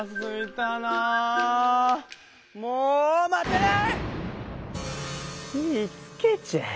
もう待てない！